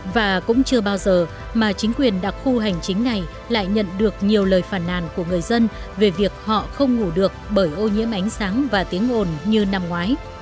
và cũng chưa bao giờ mà chính quyền đặc khu hành chính này lại nhận được nhiều lời phản nàn của người dân về việc họ không ngủ được bởi ô nhiễm ánh sáng và tiếng ồn như năm ngoái